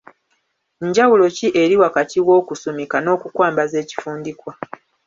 Njawulo ki eri wakati w’okusumika n’okukwambaza ekifundikwa?